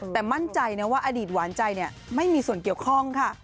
แต่มั่นใจนะว่าอดีตหวานใจไม่มีส่วนเกี่ยวข้องค่ะ